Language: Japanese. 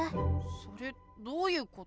それどういうこと？